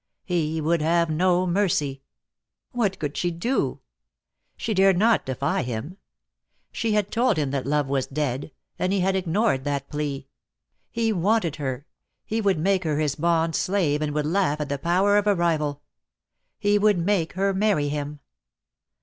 He would have no mercy. What could she do? She dared not defy him. She had told him that love was dead, and he had DEAD LOVE HAS CHAINS. 'Z^g ignored that plea. He wanted her. He would make her liis bond slave, and would laugh at the power of a rival. He would make her marry him.